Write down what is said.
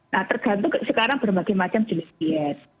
nah tergantung sekarang berbagai macam jenis diet